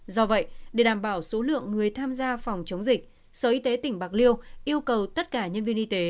do vậy để đảm bảo số lượng người tham gia phòng chống dịch sở y tế tỉnh bạc liêu yêu cầu tất cả nhân viên y tế